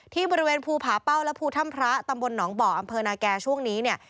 ที่บริเวณภูผาเป้าและภูถ้ำพระตำบลหนองบ่ออำเภอนาแก่ช่วงนี้เนี่ย